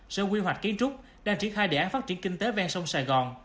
sở quy hoạch kiến trúc đang triển khai đề án phát triển kinh tế ven sông sài gòn